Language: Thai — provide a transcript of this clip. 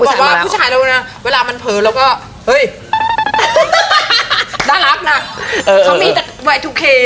แต่อย่างนี้น่ารัก